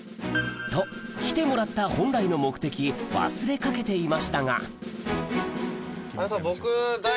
と来てもらった本来の目的忘れかけていましたが僕。